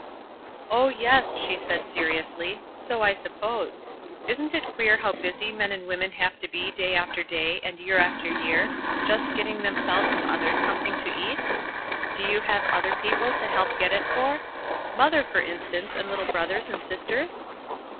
"Oh, yes," she said, seriously, "so I suppose. Isn't it queer how busy men and women have to be day after day, and year after year, just getting themselves and others something to eat? Do you have other people to help get it for? Mother, for instance, and little brothers and sisters?"